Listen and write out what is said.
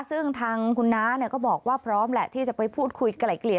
ซึ่งทางคุณน้าก็บอกว่าพร้อมแหละที่จะไปพูดคุยไกล่เกลี่ย